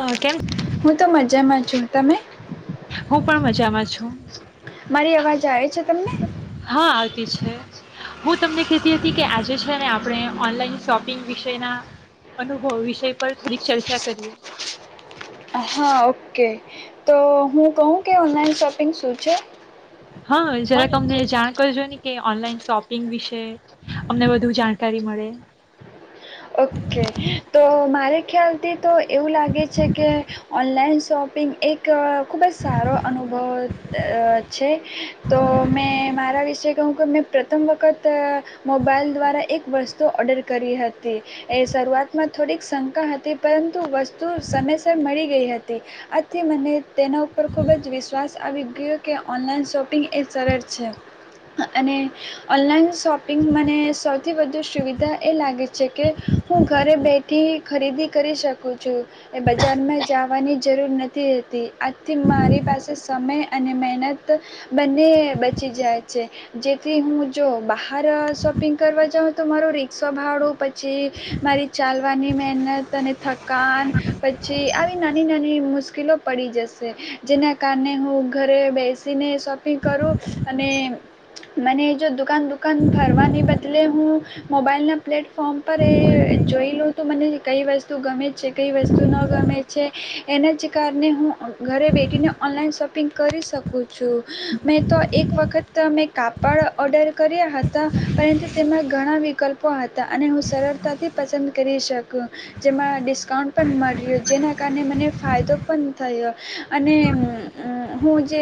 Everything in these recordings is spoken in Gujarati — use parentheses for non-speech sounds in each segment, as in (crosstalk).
અ કેમ હું તો મજામાં છું. તમે? હું પણ મજામાં છું. મારી અવાજ આવે છે તમને. હા આવતી છે. હું તમને કતી હતી કે આજે છે ને આપણે ઓનલાઈન શોપિંગ વિષના અનુભવ વિષય પર થોડીક ચર્ચા કરીએ. હા ઓકે તો હું કહું કે ઓનલાઈન શોપિંગ શું છે. હા જરા તમને જાણ કરજો ને કે ઓનલાઈન શોપિંગ વિશે અમને વધુ જાણકારી મળે. ઓકે તો મારે ખ્યાલથી તો એવું લાગે છે કે ઓનલાઈન શોપિંગ એક અ ખૂબ જ સારો અનુભવ અ છે તો મેં મારા વિશે તો હું કમ ને પ્રથમ વખત અ મોબાઈલ દ્વારા એક વસ્તુ તો ઓર્ડર કરી હતી. હતી એ શરૂઆતમાં થોડીક શંકા હતી પરંતુ વસ્તુ સમયસર મળી ગઈ હતી આથી મને તેના ઉપર ખૂબ જ વિશ્વાસ આવી ગયો કે ઓનલાઈન શોપિંગ એ સરળ છે અને ઓનલાઈન શોપિંગ મને સૌથી વધુ સુવિધા એ લાગે છે. છે કે હું ઘરે બેઠી ખરીદી કરી શકું છું એ બજારમાં જવાની જરૂર નથીતી આજથી મારી પાસે સમય અને મહેનત બંને બચી જાય છે જેથી હું જો બહાર શોપિંગ કરવા જાઉં તો મારું રીક્ષો ભાડું જે મારી ચાલવાની મે ત (unintelligible) મ કાન પછી. નાની નાની મુશ્કેલો પડી જશે જેના કારણે હું ઘરે બેસીને શોપિંગ કરું અને મને જો દુકાન દુકાન ફરવાને બદલે હું મોબાઈલના પ્લેટ. ફોર્મ પર એ જોઈલઉ હતું મને કઈ વસ્તુ ગમે છે કઈ વસ્તુ ન ગમે છે એના જ કારણે હું ઘરે બેઠીને ઓનલાઈન શોપિંગ કરી શકું છું મેં તો એક વખત મેં કાપડ ઓડર કર્યા હતા પરંતુ તેમાં ઘણા વિકલ્પો હતા. અને હું સરળતાથી પસંદ કરી શકું જેમાં ડિસ્કાઉન્ટ પણ મળ્યો જેના કારણે મને ફાયદો પણ થયો અને હું જે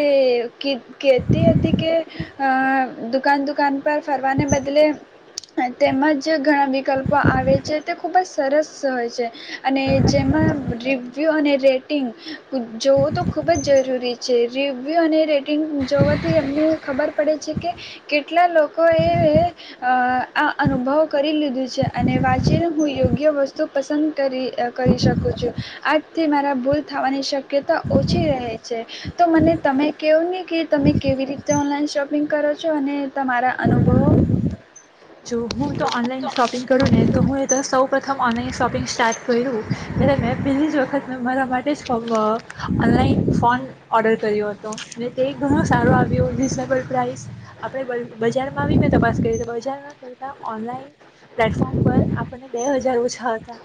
કહેતી હતી કે દુકાન દુકાન પર ફરવાને બદલે તેમજ. જે ઘણા વિકલ્પો આવે છે તે ખૂબ જ સરસ હોય છે. અને જેમાં. રિવ્યૂ અને રેટિંગ. જોવું તો ખૂબ જ જરૂરી છે. છે રિવ્યુ અને રેટિંગ જોવાથી અમને ખબર પડે છે કે કેટલા લોકોએ આ અનુભવ. કરી લીધું છે અને વાંચીને હું યોગ્ય વસ્તુ પસંદ. કરી કરી શકું છું આ. થી મારા ભૂલ થવાની શક્યતા ઓછી રહે છે તો મને તમે કહેવો નને કે તમે કેવી રીતે ઓનલાઈન શોપિંગ કરો છો અને તમારા અનુભવો. જો હું તો. ઓનલાઈન શોપિંગ કરું ને તો હું એ તો સૌ પ્રથમ ઓનલાઈન શોપિંગ સ્ટાર્ટ કર્યું. ત્યારે મેં પેલી જ વખત મે મારા માટે જ ઓનલાઈન ફોન ઓર્ડર કર્યો હતો મેને તે ઘણું સારું આવ્યું રીઝનેબલ પ્રાઇસ આપણેે બજારમાં આવી મેં તપાસ કરી બજ. ઓનલાઈન પ્લેટફોર્મ પર આપને બે હજાર ઓછા હતા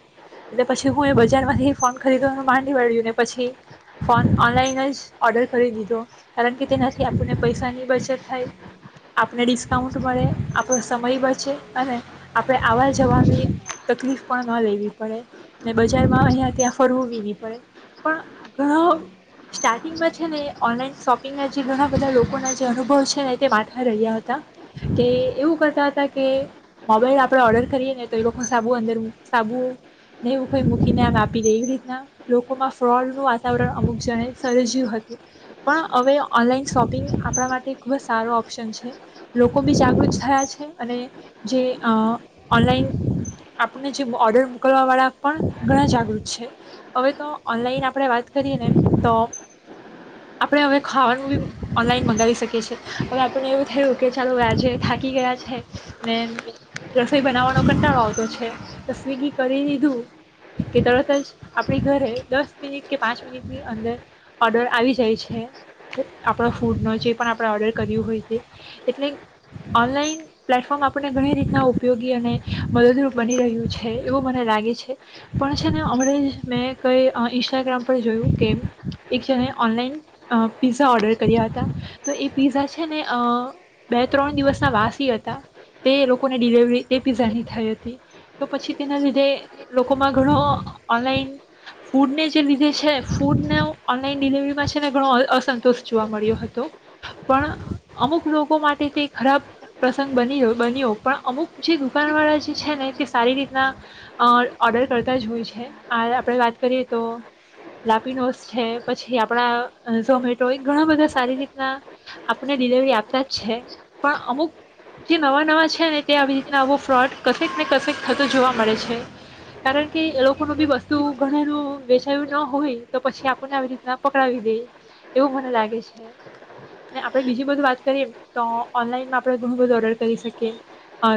એટલે પછી હું એ બજારમાંથી ફોન ખરીદવાનું માંડી વળ્યું ને પછી ફોન ઓનલાઈન જ ઓર્ડર કરી દીધો કારણ કે તેનાથી આપણને પૈસાની બચત થાય આપને ડિસ્કાઉન્ટ મળે આપ. સમય બચે અને આપણે આવવા જવાની તકલીફ પણ ન લેવી પડે ને બજારમાં અહીંયા ત્યાં ફરવુંવી નહી પડે પણ ઘણા સ્ટાર્ટિંગમાં છે ને ઓનલાઈન શોપિંગના જે ઘણા બધા લોકોના જે અનુભવ છે ને તે માથા રહ્યા હતા કે એવું કરતા. હતા કે મોબાઈલ આપણે ઓર્ડર કરીએ ને તો એ લોકો સાબુ અંદર સાબુ નહીં મૂકીને આમ આપી દે એવી રીતના લોકોમાં ફ્રોડનું વાતાવરણ અમુક જણે સર્જ્યું હતું પણ હવે ઓનલાઈન શોપિંગ આપણા માટે ખૂબ જ સારો ઓપ્શન છે લોકો બી જાગૃત થયા જ. ઓલાન આપને જે ઓર્ડર મોકલવા વાળા પણ ઘણા જાગૃત છે હવે તો ઓનલાઈન આપણે વાત કરીએ ને તો આપણે હવે ખાવાનું બી ઓનલાઈન મંગાવી શકીએ છી હવે આપણને એવું થયું કે ચાલો આજે થાકી ગયા છે. ને રસોઈ બનાવવાનો કંટાળો આવતો છે તો સ્વિગી કરી દીધું કે તરત જ આપણી ઘરે દસ મિનિટ કે પાંચ મિનિટની અંદર ઓર્ડર આવી જાય છે આપણાો ફૂડનો જે પણ આપણે ઓર્ડર કર્યું હોય છે એટલે ઓનલાઈન. પ્લેટફોર્મ આપણને ઘણી રીતના ઉપયોગી અને મદદરૂપ બની રહ્યું છે એવું મને લાગે છે પણ છે ને હમણાં જ મેં કંઈ ઇન્સ્ટાગ્રામ પર જોયું કે એક જણે ઓનલાઈન પિઝા ઓર્ડર કર્યા હતા તો એ પિઝા છે ને બે ત્રણ દિવસના વાસી હતા. તે લોકોને ડિલેવરી તે પીઝાની થઈ હતી તો પછી તેના લીધે લોકોમાં ઘણો ઓનલાઈન ફૂડને જે લીધે છે ફૂડને ઓનલાઈન ડિલવરીમાં છે ને ઘણો અસંતોષ જોવા મળ્યો હતો પણ અમુક લોકો માટે તે ખરાબ. પ્રસંગ બની બન્યો પણ અમુક જે દુકાનવાળા જે છે ને તે સારી રીતના ઓર્ડર કરતા જ હોય છે આ આપણે વાત કરીએ તો લાપિનોોસ છે પછી આપણા ઝોમેટો એ ઘણા બધા સારી રીતના આપણને ડિલિવરી આપતા જ છે પણ અમુક. જે નવા નવા છે ને આવી રીતના આવો ફ્રોડ કક ને કક થતો જોવા મળે છે કારણ કે એ લોકોનું બી વસ્તુ ઘરું વેચાયું ન હોય તો પછી આપણને આવી રીતના પકડાવી દે એવું મને લાગે છેને આપડે બીજી બધ વાત કરીએ તો ઓનલાઈનમાં આપ. ઘણું બધું ઓર્ડર કરી શકે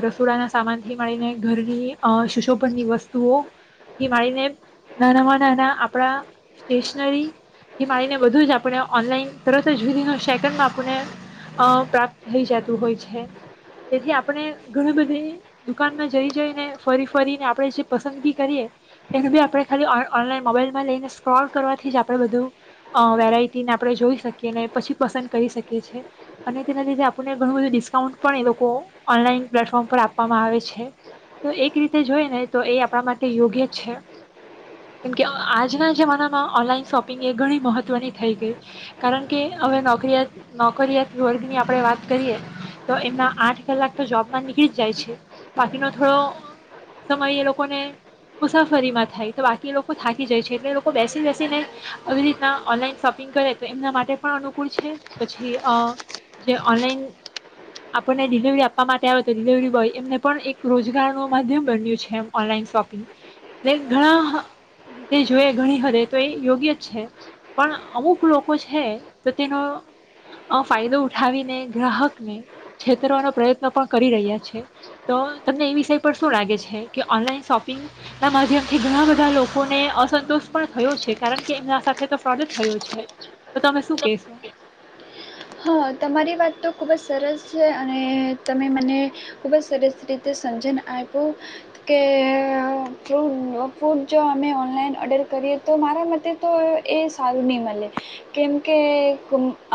રસોડાના સામાનથી મળીને ઘરની સુશોભનની વસ્તુઓ થી મળીને નાનામાં નાના આપણા સ્ટેશનરી થી મળીને બધું જ આપણે ઓનલાઈન તરત જ વિધિ સેકન્ડમાં આપને પ્રાપ્ત થઈ જતું હોય છે. થી આપણે ઘણી બધી દુકાનમાં જઈ જઈને ફરી ફરીને આપણે જે પસંદગી કરીએ એને બી આપણે ખાલી ઓનલાઈન મોબાઈલમાં લઈને સ્ક્રોલ કરવાથી આપણે બધું વેરાયટીને આપણે જોઈ શકીએને પછી પસંદ કરી શકીી અને તેના લીધે આપણેુંધું. સાઉડ પણ એ લોકો ઓનલાઈન પ્લેટફોર્મ પર આપવામાં આવે છે તો એક રીતે જોઈને તો એ આપણા માટે યોગ્ય જ છે કેમકે આજના જમાનામાં ઓનલાઈન શોપિંગ એ ઘણી મહત્વની થઈ ગઈ કારણ કે હવે નોકરી નોકરીિયાત વર્ગની આપણે વાત કરીએ. તો એમના આઠ કલાક તો જોબમાં નીકળી જ જાય છે બાકીનો થોડો સમય એ લોકોને મુસાફરીમાં થાય તો બાકી એ લોકો થાકી જાય છે એટલે એ લોકો બેસી બેસીને આવી રીતના ઓનલાઈન શોપિંગ કરે તો એમના માટે પણ અનુકૂળ છે પછી જે ઓનલાઈન. આપણને ડિલિવરી આપવા માટે આવે તો ડિલિવરી બોય એમને પણ એક રોજગાર ન માધ્યમ બન્યું છે એમ ઓનલાઈન શોપિંગ એટલે ઘણા રીતે જોએ ઘણી હદ તો એ યોગ્ય જ છે પણ અમુક લોકો છે તો તેનો ફાયદો ઉઠાવીને ગ્રાહકને. છેતરવાનો પ્રયત્ન પણ કરી રહ્યા છે તો તમને એ વિષય પર શું લાગે છે કે ઓનલાઈન શોપિંગ ના માધ્યમથી ઘણા બધા લોકોને અસંતોષ પણ થયો છે કારણ કે એમના સાથે તો ફ્રોડ જ થયો છે તો તમે શું કેહેશો. હા તમારી વાત તો ખૂબ જ સરસ છે અને તમે મને ખૂબ જ સરસ રીતે સમજન આપો કે ફ્રૂ ફ્રૂટ જો અમે ઓનલાઈન ઓર્ડર કરીએ તો મારા મતે તો એ સારું નહીં મળે કેમકે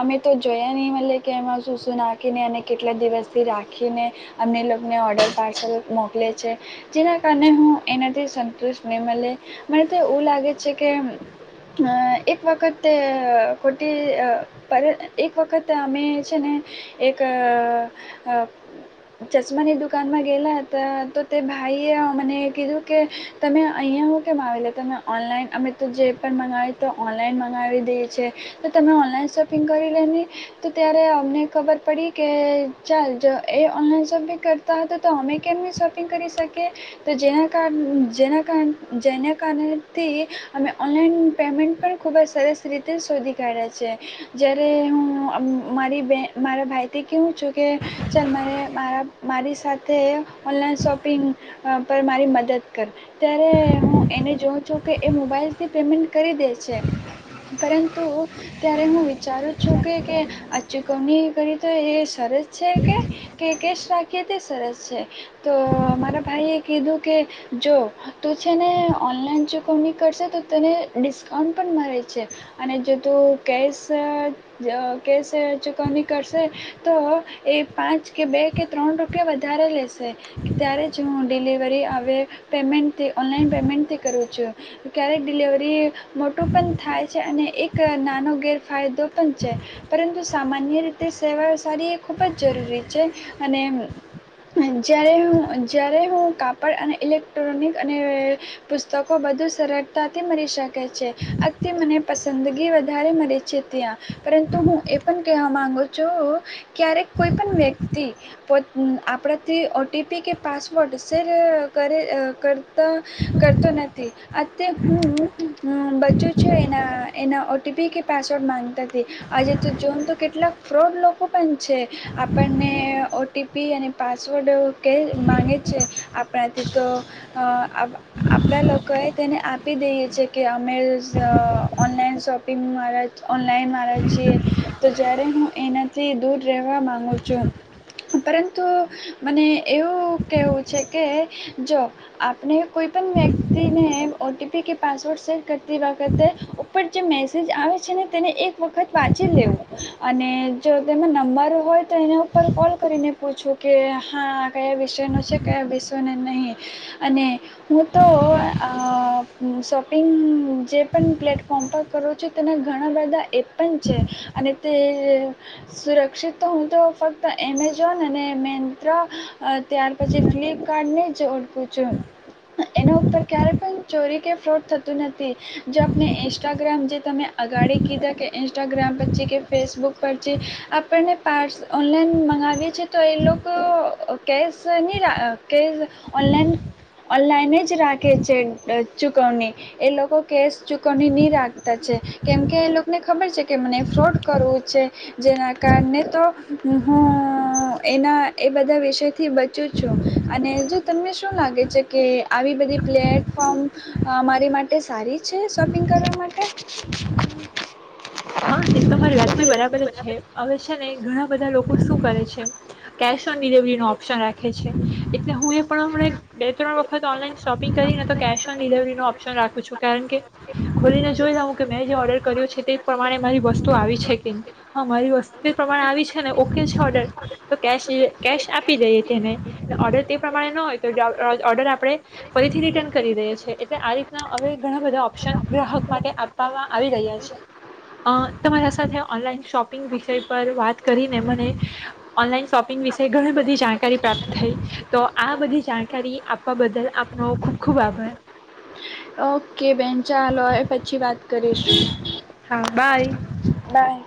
અમે. તો જોયા નહીં મળે કે એમાં શું શું નાખીને અને કેટલા દિવસથી રાખીને અમને લોકોને ઓર્ડર પાર્સલ મોકલે છે જેના કારણે હું એનાથી સંતુષ્ટ નહીં મળે મને તો એવું લાગે છે કે એક વખત ખોટી પર. એક વખત અમે છે ને એક ચશ્માની દુકાનમાં ગયેલા હતા તો તે ભાઈએ મને કીધું કે તમે અહીંયા હું કેમ આવી લે તમે ઓનલાઈન અમે તો જે પણ મંગાવી તો ઓનલાઈન મંગાવી દઈએ છીએ તો તમે ઓનલાઈન શોપિંગ. કરી લેને તો ત્યારે અમને ખબર પડી કે ચાલ જો એ ઓનલાઈન શોપિંગ કરતા હતા તો અમે કેમ ન શોપિંગ કરી શકીએ તો જેના કાર જેના કાર જેના કારણેથી અમે ઓનલાઈન પેમેન્ટ પણ ખૂબ જ સરસ રીતે શોધી કાઢ્યા છે. જ્યારે હું મારી બેન મારા ભાઈથી કહેહું છું કે ચાલ મારે મારા મારી સાથે ઓનલાઈન શોપિંગ પર મારી મદદ કર ત્યારે હું એને જોઉં છું કે એ મોબાઈલથી પેમેન્ટ કરી દે છે પરંતુ ત્યારે હું. ચારું છું કે કે આ ચૂકવણી કરીએ તો એ સરસ છે કે કે કેશ રાખીએ તે સરસ છે તો મારા ભાઈએ કીધું કે જો તું છે ને ઓનલાઈન ચૂકવણી કરશે તો તને ડિસ્કાઉન્ટ પણ મળે છે અને જો તું કેશ. કેશ ચૂકવણી કરશે તો એ પાંચ કે બે કે ત્રણ રૂપિયા વધારે લેશે ત્યારે જ હું ડિલિવરી હવે પેમેન્ટથી ઓનલાઈન પેમેન્ટથી કરું છું ક્યારેક ડિલેિવરી મોટું પણ થાય છે અને એક નાનો ગેર. ફાયદો પણ છે પરંતુ સામાન્ય રીતે સેવા સારી એ ખૂબ જ જરૂરી છે અને જ્યારે હું જ્યારે હું કાપડ અને ઇલેક્ટ્રોનિક અને પુસ્તકો બધું સરળતાથી મળી શક. છે અ મને પંદ.. જંદગી વધારે મરી. છેત્યા. પરંતુ હ એ પણ. કે માંગુ છું ક્યારેક કોઈ પણ વ્યક્તિ પો આપણાથી ઓટીપી કે પાસવર્ડ શેર કરે કરતા કરતો નથી. અ હું હ. એના એના ઓટીપી કે. પાસવર્ડ માગતા નથી આજે તો જોમ તો કેટલાક ફ્રોડ લોકો પણ છે આપણને ઓટીપી અને પાસવર્ડ ક માગે છે આપણાથી તો આપણા લોકોએ તેને આપી દઈએ છે કે અમે ઓનલાઈન શોપિંગમાં. ઓનલાઈન વાળ છીએ તો જ્યારે હું એનાથી દૂર રહેવા માગુ છું પરંતુ મને એવું કહેવું છે કે જો આપણે. કોઈ પણ વ્યક્તિને ઓટીપી કે. પાસવર્ડ સેટ કરતી વખતે ઉપર જે મેસેજ આવે છે. છે ને તેને એક વખત વાંચી લેવું અને જો તેમાં નંબર હોય તો એના ઉપર કોલ કરીને પૂછું કે હા કયા વિષયનો છે કયા વિષયોને નહીં અને હું તો શોપિંગ જે પણ પ્લેટફોર્મ પર કરું છું તેને. ઘણા બધા એપ પણ છે અને તે સુરક્ષિત તો હું તો ફક્ત એમેઝોન અને મેંત્રા. તે હાડપી ફ્લીક. કારડને ઓું છું એના ઉપર ક્યારે પણ ચોરી કે ફ્રોડ થતું નથી જો આપને ઇન્સ્ટાગ્રામ જે તમે. અગાડી કીધા કે ઇન્સ્ટાગ્રામ પછી કે ફેસબુક પરછ આપણને પાર્સ ઓનલાઈન મંગાવીએ છે તો એ લોકો કેશ નહીં કેશ ઓનલાઈન ઓનલાઈન જ રાખે છે ચૂકવણી એ લોકો કેશ ચૂકવણી નહીં રાખતા છે. કેમકે એ લોકોને ખબર છે કે મને ફ્રોડ કરવું છે જેના કારણે તો હું. એના એ બધા વિષયથી બ. છું અને જો તમને શું લાગે છે કે આવી બધી. પ્લેટફોર્મ. મારી માટે સારી છે શોપિંગ કરવા માટે. હા એક તોરી વાત બી બરાબર જ છે હવે છે ને ઘણા બધા લોકો શું કરે છે કેશ. િલવરી ન ઓપ્શન રાખે છે. હું એ પણ હમં બે ત્રણ વખત ઓનલાઈન શોપિંગ કરીને તો કેશ ઓન ડિલવરીનો ઓપ્શન રાખું છું કારણ કે ખોલીને જોઈ લઉં કે મેં જે ઓર્ડર કર્યો છે તે. મારી વસ્તુ આવી છે કે નહી હા મારી વસ્તુ. પ્રમાણે આવી છે ને. મૂકેલ છે ઓર્ડર તો કેશ આપી દઈએ તેને ઓર્ડર તે પ્રમાણે ન હોય તો ઓર્ડર આપણે ફરીથી રિટર્ન કરી દઈ છએ એટલે આ રીતના હવે ઘણા બધા ઓપ્શન ગ્રાહક માટે આપવામાં આવી રહ્યા છે. અ તમારા સાથે ઓનલાઈન શોપિંગ વિષય પર વાત કરીને મને ઓનલાઈન શોપિંગ વિશે ઘણી બધી જાણકારી પ્રાપ્ત થઈ તો આ બધી જાણકારી આપવા બદલ આપનો ખૂબ ખૂબ આભાર. કે બેન ચાલય પછી વાત કરીશું. હા બાય. બાય.